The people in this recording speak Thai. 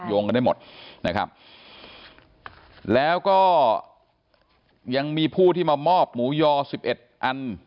งกันได้หมดนะครับแล้วก็ยังมีผู้ที่มามอบหมูยอสิบเอ็ดอัน